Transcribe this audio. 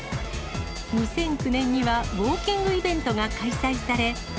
２００９年にはウォーキングイベントが開催され。